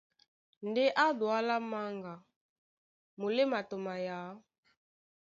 Ndé ǎ Dualá Manga, muléma tɔ mayǎ.